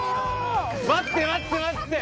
待って待って待って。